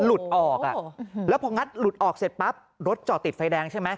หลุดออกอ่ะแล้วพองัดหลุดออกเสร็จปั๊บรถจอดติดไฟแดงใช่ไหม